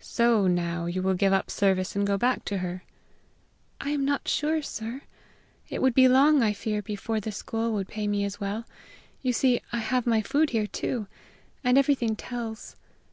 "So now you will give up service and go back to her?" "I am not sure, sir. It would be long, I fear, before the school would pay me as well. You see, I have my food here too. And everything tells.